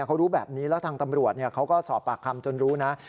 เขารู้แบบนี้แล้วทางตำรวจเขาก็สอบปากคำจนรู้นะ